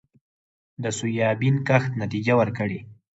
د سویابین کښت نتیجه ورکړې